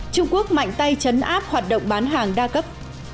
trung quốc mạnh tay chấn áp hoạt động bán hàng đa cấp